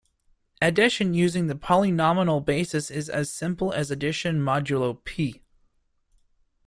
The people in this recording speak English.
Addition using the polynomial basis is as simple as addition modulo "p".